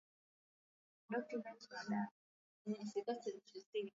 mtangazaji mmoja anaweza kuwa na majukumu mawili